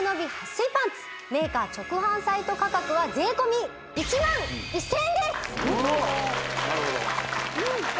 撥水パンツメーカー直販サイト価格は税込１万１０００円です